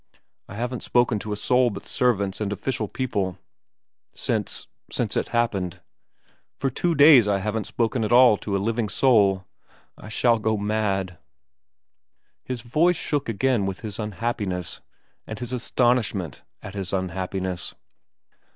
I haven't spoken to a soul but servants and official people since since it happened. For two days I haven't spoken at all to a living soul I shall go mad ' His voice shook again with his unhappiness, with his astonishment at his unhappiness.